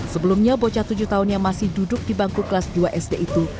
sebelumnya bocah tujuh tahun yang masih duduk di bangku kelas dua sd itu